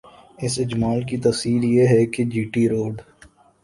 اس اجمال کی تفصیل یہ ہے کہ جی ٹی روڈ